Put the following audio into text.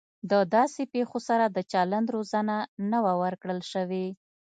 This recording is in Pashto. د داسې پیښو سره د چلند روزنه نه وه ورکړل شوې